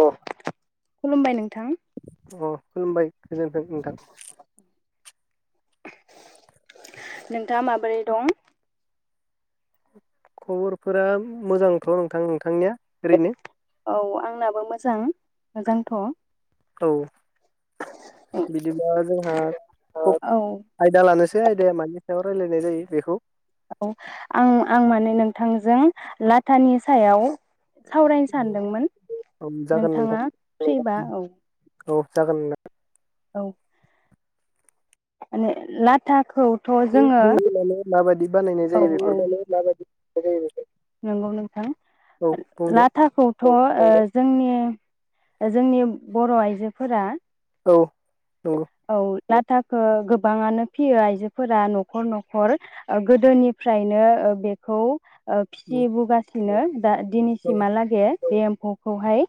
अ। खुलुमबाय नोंथां। अ खुलुमबाय। गोजोन्थों नोंथां। नोंथाङा माबोरै दं? खबरफोरा मोजांथ नोंथां नोंथांनिया? ओरैनो औ आंनाबो मोजां। मोजांथ। औ बिदिबा जोंहा तब औ आयदा लानोसै आयदाया मानि सायाव रायजलायनाय जायो बेखौ औ आं आं माने नोंथांजों लाथानि सायाव सावरायनो सान्दोंमोन औ जागोन नोंथां नोंथाङा फ्रिबा औ। औ जागोन [unintelligible] औ। माने लाथाखौ [unintelligible] माबायदि बानायनाय औ जायो बेफोरखौ औ नोंगौ नों थां औ बुंदो लाथाखौ थ ओ जोंनि जोंनि बर'आइजोफोरा। औ। नंगौ औ। लाथाखौ गोबाङानो फियो आइजोफोरा नखर नखर ओ गोदोनिफ्रायनो ओ बेखौ ओ फिसि बुगा [unintelligible] दा औ दिनैसिमहालागै। बे एम्फौखौहाय।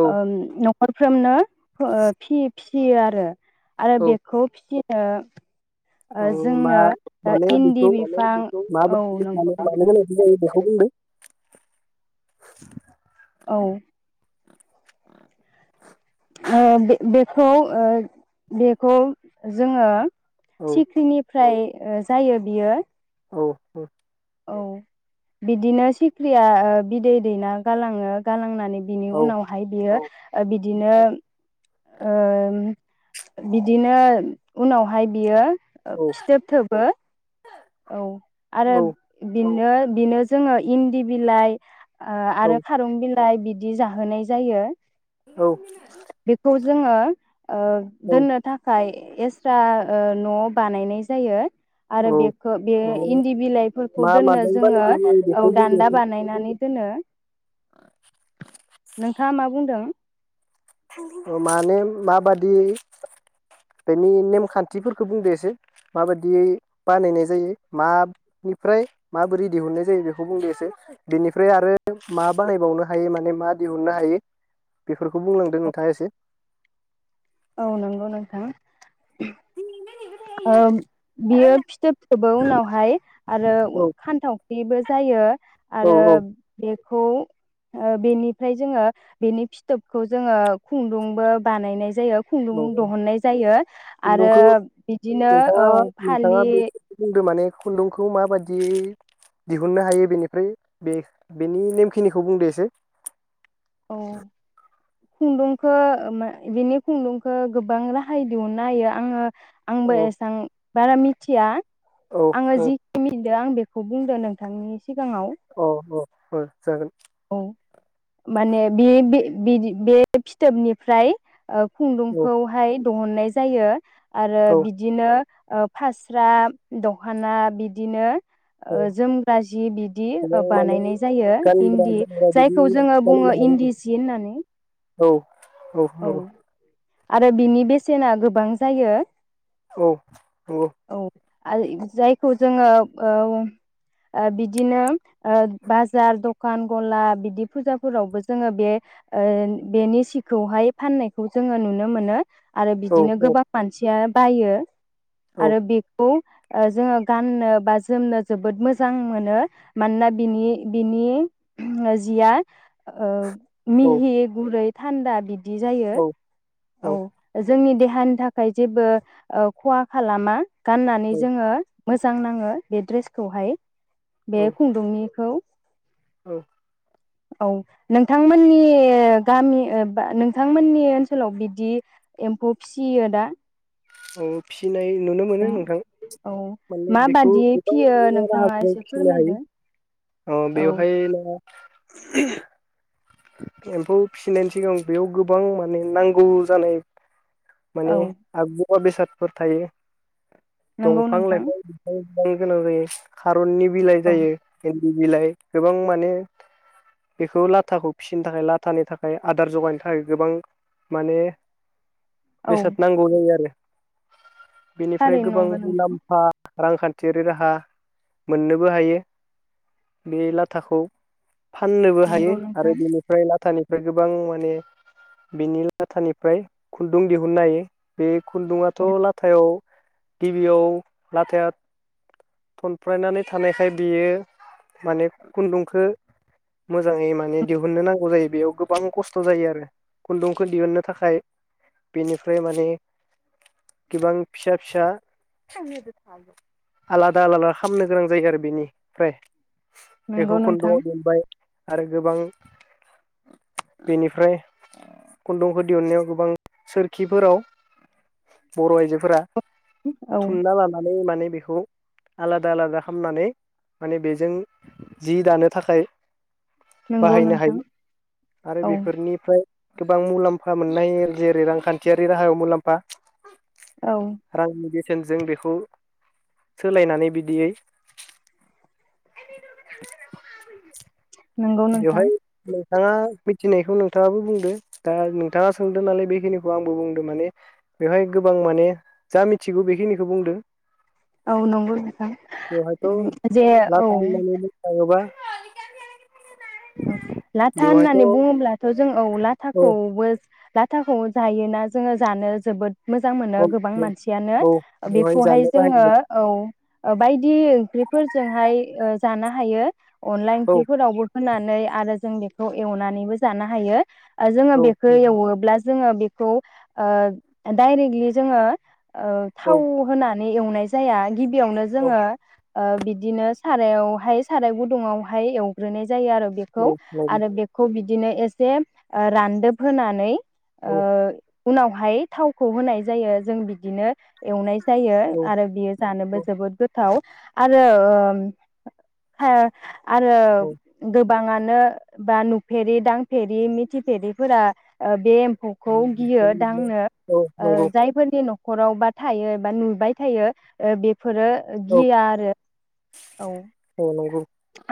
औ [unintelligible] ओ फि फिसियो आरो। आरो बेखौ फिसि ओ औ ओ मा जोंनो माने इन्दि बेखौ बिफां औ माबायदि माने नंगौ। मानो गोनांथि जायो बेखौ बुंदो [inaudible] औ। ओ बे बेखौ ओ बेखौ जोङो। औ सिख्रिनि फ्राय ओ जायो बियो। औ औ। औ बिदिनो सिख्रिया बिदै दैना गालाङो गालांनानै बिनि औ उनावहाय बियो ओ बिदिनो ओ बिदिनो उनावहाय बियो औ फिथोब थोबो। औ आरो औ बिनि नो बिनो जोङो इन्दि बिलाइ। ओ औ आरो खारं बि फ्राय बिदि जाहोनाय जायो। औ। बेखौ जोङो ओ दोननो थाखाय एस स्रा ओ न' बानायनाय जायो। आरो औ औ बेखौ बे इन्दि बिलाइफोरखौ मा दोननो माजों जोङो बानायनाय जायो औ बेखौ दान्दा बानायनानै दोननो। आ नोंथाङा मा बुंदों? माने माबादि बेनि नेमखान्थिफोरखौ बुंदो एसे माबायदियै बानायनाय जायो मानिफ्राय माबोरै दिहुननाय जायो बेखौ बुंदो एसे बेनिफ्राय आरो मा बानायबावनो हायो माने मा दिहुननो हायो बेफोरखौ बुंलांदों नोंथाङा एसे। औ नंगौ नोंथां बियो फिथोब थोबो उनावहाय आरो औ फानथावख्रिबो जायो औ आरो बे खौ बेनिफ्राय जोङो बेनि फिथोबखौ जोङो खुन्दुंबो बानायनाय जायो खुन्दुं औ दिहुननाय जायो आरो खुन्दुंखौ बिदिनो औ नोंथाङा नोंथाङा फालि बे बुंदो माने खुन्दुंखौ माबायदि दिहुननो हायो बेनिफ्राय बे बेनि नेमखिनिखौ बुंदो एसे औ खुन्दुंखौ माने बेनि खुन्दुंखौ गोबां राहायै दिहुननो हायो आङो आंबो औ एसां बारा मिथिया औ आङो औ जिखिनि यो आं बेखौ बुंदों नोंथांनि सिगाङाव औ जागोन औ माने बे बे बिदि बे फिथोबनिफ्राय औ खुन्दुंखौहाय दिहुननाय जायो आरो औ बिदिनो फास्रा दखाना बिदिनो औ जोमग्रा जि बिदि गोबां माने बानायनाय जायो। गानग्रा इन्दि जोमग्रा बिदि जायखौ जोङो बुङो बानायनो इन्दि सि होननानै। औ औ आरो बिनि बेसेना गोबां जायो। औ नंगौ औ जायखौ जोङो ओ ओ बिदिनो बाजार दखान गला बिदि फुजाफोरावबो जोङो बे ओ बेनि सि खौहाय फाननायखौ जोङो नुनो मोनो। आरो बिदिनो नंगौ गोबां मानसिया बायो आरो औ बेखौ जोङो गाननो बा जोमनो जोबोद मोजां मोनो मानोना बिनि बिनि जिया ओ औ मिहि गुरै थान्दा बिदि जायो। औ औ। जोंनि देहानि थाखाय जेबो ओ खहा खालामा। गाननानै जोङो। मोजां नाङो बे ड्रेसखौहाय। औ बे खुन्दुंनिखौ। [inaudible] औ नोंथांमोननि गामि बा नोंथांमोननि ओनसोलाव बिदि एम्फौ फिसियो दा औ फिनाय नुनो मोनो नोंथां औ माने बेखौ माबादियै गोबां फियो नोंथाङा राहाफोर एसे खिनो फोरमायदो हायो अ औ बेवहाय [inaudible] औ एम्फौ फिसिनायनि सिगां बेयाव गोबां माने नांगौ जानाय माने औ आगजु मुवा बेसादफोर थायो नंगौ दंफां नोंथां लाइफां बिफां बाहायनो गोनां जायो खा रननि बिलाइ औ जायो। बिलाइ गोबां माने बेखौ लाथाखौ फिनो थाखाय लाथानि थाखाय आदार जगायनो थाखाय गोबां माने औ बेसाद नांगौ जायो आरो। बेनिफ्राय थारैनो गोबां नंगौ नोंथां मुलाम्फा रांखान्थियारि राहा। मोननोबो हायो। बे लाथाखौ। फाननोबो हायो। नंगौ आरो नोंथां बेनिफ्राय लाथानि फ्राय गोबां माने बिनि लाथानिफ्राय खुन्दुं दिहुननो हायो बे खुन्दुङाथ लाथायाव गिबियाव लाथाया थनफ्रायनानै थानायखाय बेयो माने खुन्दुंखौ मोजाङै माने दिहुननो नांगौ जायो बेयाव गोबां खस्थ जायो आरो खुन्दुंखौ दिहुननो थाखाय बेनिफ्राय माने गोबां फिसा फिसा आलादा आलादा खालामामनो गोनां जायो आरो बेनिफ्राय नंगौ बेखौ नोंथां खुन्दुंआव लोनबाय आरो गोबां बेनिफ्राय खुन्दुंफोर दिहुननायाव गोबां सोरखिफोराव बर आइजो फोरा औ थुमना लानानै माने बेखौ आलादा आलादा हामनानै माने बेजों जि दानो थाखाय नंगौ बाहायनो नोंथां हायो आरो औ बेफोरनिफ्राय गोबां मुलाम्फा मोननाय जेरै रांखान्थियारि राहायाव मुलाम्फा औ रांनि गे थोंजों बेखौ सोलायनानै बिदियै [inaudible] नोंथां बेवहाय नोंथाङा। मिथिनायखौ नोंथाङाबो बुंदों दा नोंथाङा सोंदों नालाय बेखिनिखौ आंबो बुंदों माने बेवहाय गोबां माने जा मिथिगौ बेखिनिखौ बुंदों। औ नंगौ नोंथां उम बेवहायथ' जे औ लाथा होननानै बुंनो थाङोबा उम लाथा बेवहायथ' औ होननानै बुङोब्लाथ जों औ लाथाखौबो लाथ थाखौ जायोना जोङो जानो जोबोद। श मोजां मोनो औ गोबां औ मानसियानो औ बेवहाय बेखौहाय जानो जोङो बाहायनाय औ बायदि ओंख्रिफोरजोंहाय ओ जानो हायो। अनला औ इख्रिफोरनावबो होनानै आरो जों बेखौ एवनानैबो जानो हायो। जोङो औ बेखौ औ एवोब्ला जोङो बेखौ ओ दाइरेक्टलि जोङो ओ औ थाव होना नै एवनाय जाया गिबियावनो औ जोङो ओ बिदिनो सारायावहाय साराय गुदुुंङावहाय एवग्रोनाय जायो आरो बेखौ औ आरो बेखौ बि बिदिनो एसे रानदोब होनानै ओ उनावहाय थावखौ होनाय जायो जों बिदिनो एवनाय जायो औ आरो बियो जानोबो जोबोद गोथाव आरो उम [inaudible] आरो गोबाङानो बा नुफेरि दांफेरि मिथिफेरिफोरा बे एम फौखौ गियो दांनो औ ओ नंगौ जायफोरनि नखर नखरावबा थायो एबा नुबाय थायो ओ बे फोरो औ गिया आरो औ औ नंगौ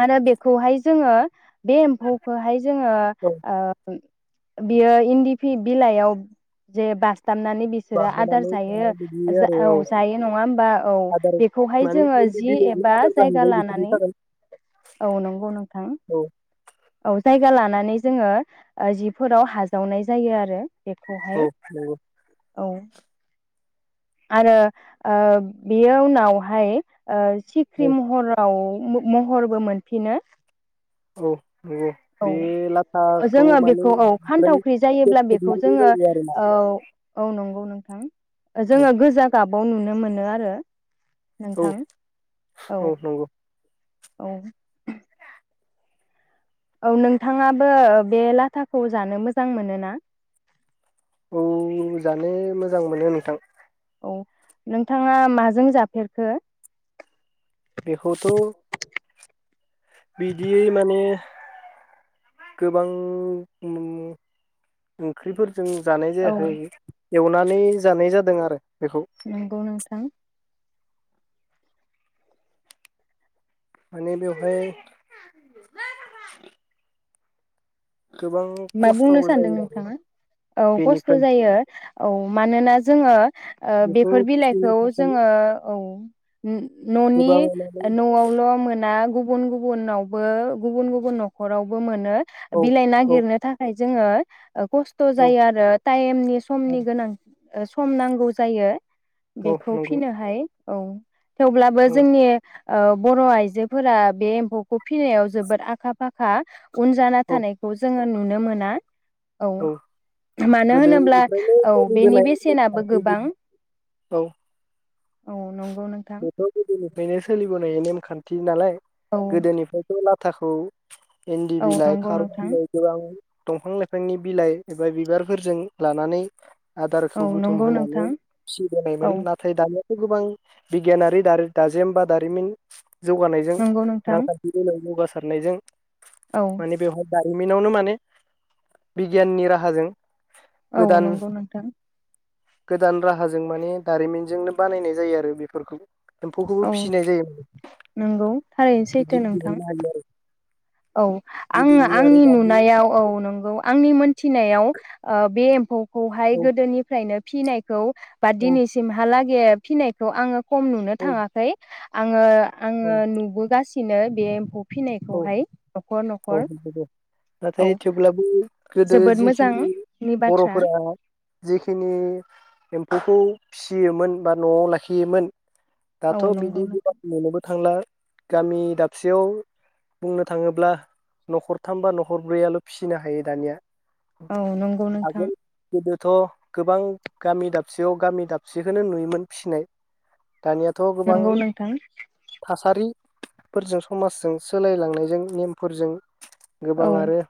आरो बे खौहाय जोङो बे एम्फौखोहाय जोङो औ ओ बियो इन्दि बि-बिलाइयाव जे बास थाबनानै बिसोरो आदार बाहोनानै माने जायो बिदियो आरो औ जायो नङा होमबा औ आदार बेखौहाय माने जोङो जि दिनैनि एबा आदार जायगा जाहैबाय बिसोरनि लानानै थाखाय औ नंगौ नों नोंथां औ औ जायगा लाना नानै जोङो जिफोराव हाजावनाय जायो आरो बेखौहाय नंगौ औ । आरो ओ बेयो उनावहाय ओ औ सिख्रि महराव म-महरबो मोनफिनो औ नंगौ बे औ लाथाखौ जोङो माने बेखौ औ ओमफ्राय फानथावख्रि जायोब्ला बेखौ खेबनांगौ जोङो जायो आरोना औ औ नंगौ [inaudible] जोङो गोजा गाबाव नुनो मोनो आरो औ नोंथां औ । औ । [inaudible] औ नोंथाङाबो बे लाथाखौ जानो मोजां मोनो ना? औ जानो मोजां मोनो नोंथां । औ नोंथाङा माजों जाफेरखो? बेखौथ' बिदियै माने गोबां उम ओंख्रैफोर जों जानाय औ जायाखै एवनानै जानाय जादों आरो बेखौ नोंगौ नोंथां। माने बेवहाय गोबां मा बुंनो खस्थ'बो सानदों जायो आरो नोंथाङा औ खस्थ बेनिफ्राय जायो औ मानोना जोङो उह बेखौ बेफोर फिसिनो बिलाइखौ थाखाय जोङो औ । न'नि गोबां माने न'आवल मोना गुबुन गुबुनावबो गुबुन गुबुन न'खरावबो मोन नो औ बिलाइ औ नागिरनो फाय जोङो ओ खस्थ औ जायो आरो टाइमनि औ समनि गोनां ओ सम नांगौ जायो औ बेखौ नंगौ फिनोहाय औ थेवब्लाबो औ जोंनि औ बर' आइजोफोरा बे एम्फौखौ फिनायाव जोबोद आखा फाखा उन जाना औ थानायखौ जोङो नु नुनो मोना औ मानो होनोब्ला गोदोनिफ्रायनो औ बेनि सलिबोनाय बेसेनाबो नेमखान्थि बि गोबां औ औ नंगौ नोंथां बेखौ गोदोनिफ्रायनो सोलिबोनाय नेम खान्थि नालाय औ गोदोनिफ्रायथ' लाब थाखौ एन्दि औ बिलाइ नंगौ खारौ नोंथां खान्दाइ गोबां दंफां लाइ बिफांनि बिलाइ एबा बिबारफोरजों लानानै औ आदारखौ बुथुम नंगौ होनानै नोंथां औ फिसिबोनायमोन नाथाय दानिया गोबां बिगियानारि दारो-दाजेम बा दारिमिन जौगानायजों नंगौ नोंथां रांखान्थि गोनां जौगासा खारनायजों औ माने बेवहाय जारिमिनावनो माने बिगियाननि राहाजों औ गोदान नंगौ नोंथां। गोदान राहाजों माने दारिमिनजोंनो बानायनाय जायो आरो बेफोरखौ। एम्फौखौबो औ फिसिनाय जायो नंगौ थारैनो सैथो बिदै दैनो नोंथां हायो आरो औ आङो गोदोनि आरो आंनि दानि नुनायाव औ नंगौ आं मोनथिनायाव ओ बे एम खौहाय औ गोदोनिफ्रायनो फिनायखौ बा औ दिनिसिम हा ला [unintelligible] फिनायखौ आङो खम नुनो औ थाङाखै आङो आङो नुबोगासिन सिनो बे एम्फौ औ फिनायखौहाय। न'खर औ न'खर [unintelligible] औ नाथाय थेवब्लाबो गोदो जोबोद जिखिनि मोजांनि बाथ्रा बरफोरा जिखिनि। एम्फौखौ फिसियोमोन बा नआव लाखियोमोन। औ दाथ नंगौ बिदि नोंथां गोबां नुनोबोब थांला गामि दाबसेयाव। बुंनो थाङोब्ला नखरथाम बा नखरब्रैयाल फिसिनो हायो दानिया। औ नंगौ नोंथां। थ गोबां गामि दाबसेयाव गामि दाबसेखौनो नुयोमोन फिनाय। दानियाथ गोबां नंगौ थास। नोंथां थासारिफोरजों समाजजों सोलायलांनायजों नेमफोरजों। औ गोबां आरो।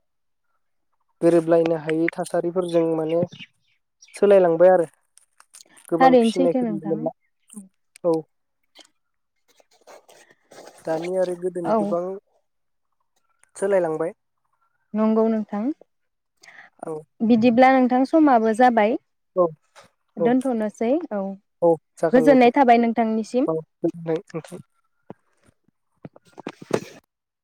गोरोबलायनो हायै थासारिफोरजों माने सोलायलांबाय आरो गोबां थारै सैथो फिसिनायखौ नुनो नोंथां। मोनला औ दानि आरो गोदोनि औ गोबां। सोलायलांबाय। नंगौ नोंथां। ओ औ बिदिब्ला नों नोगथां समाबो जाबाय। औ औ औ जागोन गोजोननाय नोंथां थाबाय नोंथांनिसिम औ नोंथां। [inaudible]